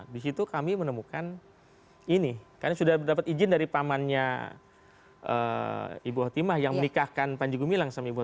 di situ kami menemukan ini karena sudah mendapat izin dari pamannya ibu hotima yang menikahkan panjegu milang